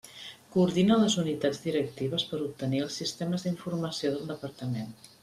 Coordina les unitats directives per obtenir els sistemes d'informació del Departament.